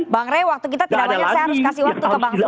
bang rey waktu kita tidak banyak saya harus kasih waktu ke bang sai